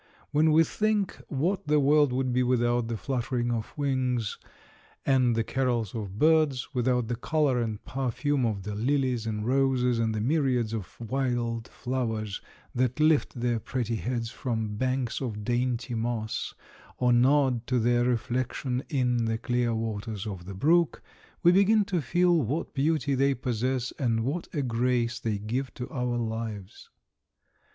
When we think what the world would be without the fluttering of wings and the carols of birds, without the color and perfume of the lilies and roses and the myriads of wild flowers that lift their pretty heads from banks of dainty moss or nod to their reflection in the clear waters of the brook, we begin to feel what beauty they possess and what a grace they give to our lives.